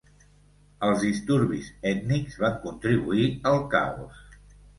Els disturbis ètnics van contribuir al caos.